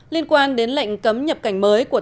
liên quan đến lệnh cấm nhập cảnh mới của